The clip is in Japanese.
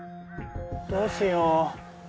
どうしよう。